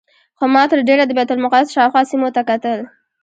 خو ما تر ډېره د بیت المقدس شاوخوا سیمو ته کتل.